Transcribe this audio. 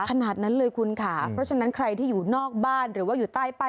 ขนาดนั้นเลยคุณค่ะเพราะฉะนั้นใครที่อยู่นอกบ้านหรือว่าอยู่ใต้ป้าย